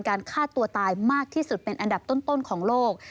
ฆ่าตัวตายมากที่สุดเป็นอันดับต้นของโลก